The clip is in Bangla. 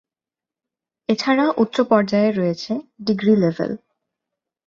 এছাড়া উচ্চ পর্যায়ে রয়েছে ডিগ্রি লেভেল।